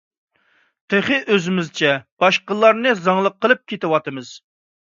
تېخى ئۆزىمىزچە باشقىلارنى زاڭلىق قىلىپ كېتىۋاتىمىز.